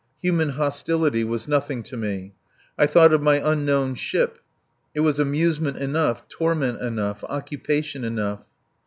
Human hostility was nothing to me. I thought of my unknown ship. It was amusement enough, torment enough, occupation enough.